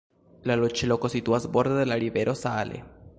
La loĝloko situas borde de la rivero Saale.